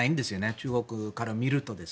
中国から見ると。